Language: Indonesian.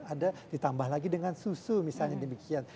ada ditambah lagi dengan susu misalnya demikian